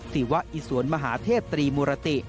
ศิวะอิสวนมหาเทพตรีมุรติ